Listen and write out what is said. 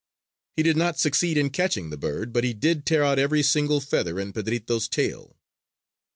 He did not succeed in catching the bird but he did tear out every single feather in Pedrito's tail.